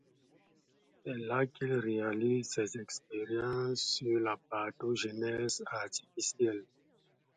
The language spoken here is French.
C’est là qu’il réalise ses expériences sur la parthénogenèse artificielle.